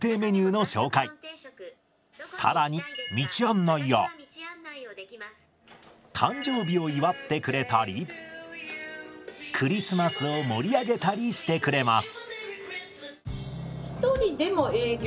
更に道案内や誕生日を祝ってくれたりクリスマスを盛り上げたりしてくれます。